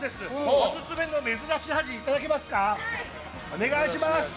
オススメの珍しい味いただけますか？